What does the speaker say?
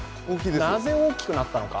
なぜ、大きくなったのか。